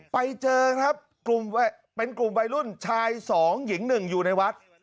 ไปเจอครับกลุ่มเป็นกลุ่มวัยรุ่นชาย๒หญิง๑อยู่ในวัด